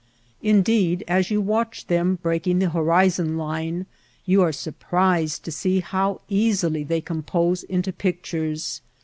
Indeed as you watch them breaking the horizon line you are surprised to see how easily they compose into pictures.